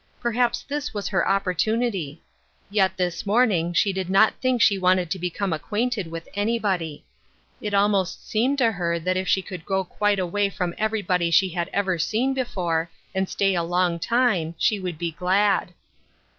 Perhaps this was her opportunity. Yet this morning she did not think she wanted to be come acquainted with anybody. It almost seemed to her that if she could go quite away from every body she had ever seen before, and stay a long time, she would be glad.